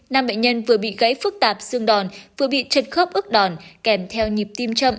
nam bệnh nhân vừa bị gãy phức tạp xương đòn vừa bị chệt khớp ước đòn kèm theo nhịp tim chậm